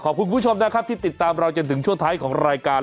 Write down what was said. คุณผู้ชมนะครับที่ติดตามเราจนถึงช่วงท้ายของรายการ